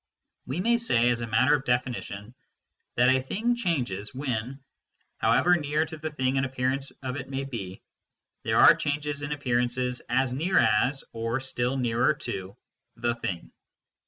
We may say, as a matter of definition, that a thing changes when, however near to the thing an appearance of it may be, there are changes in appearances as near as, or still nearer to, the thing.